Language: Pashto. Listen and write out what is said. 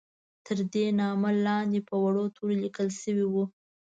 تر دې نامه لاندې په وړو تورو لیکل شوي وو.